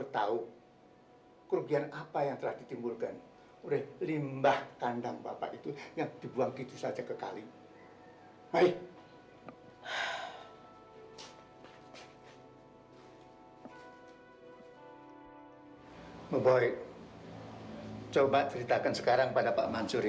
dari mana lagi kamu bisa kasih makan orang tua kamu